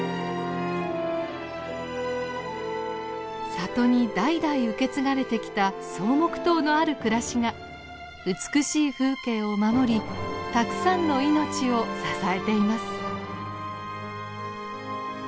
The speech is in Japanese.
里に代々受け継がれてきた草木塔のある暮らしが美しい風景を守りたくさんの命を支えています。